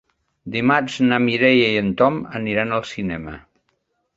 Dimarts na Mireia i en Tom aniran al cinema.